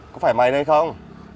có phải mày đây không